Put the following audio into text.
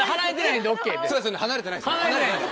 離れてないんで。